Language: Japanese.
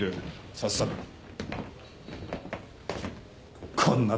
さっさと。